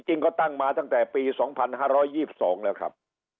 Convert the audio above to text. จริงก็ตั้งมาตั้งแต่ปี๒๕๒๒แล้วครับ